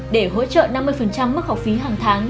để hỗ trợ năm mươi mức học phí hàng tháng